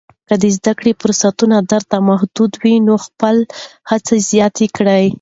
که د زده کړې فرصتونه درته محدود وي، نو خپله هڅه زیاته کړه.